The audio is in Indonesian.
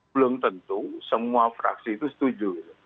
belum tentu semua fraksi itu setuju